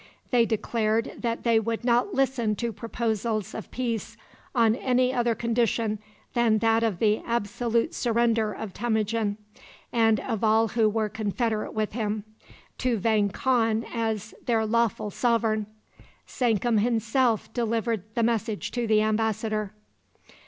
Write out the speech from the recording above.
They declared that they would not listen to proposals of peace on any other condition than that of the absolute surrender of Temujin, and of all who were confederate with him, to Vang Khan as their lawful sovereign. Sankum himself delivered the message to the embassador.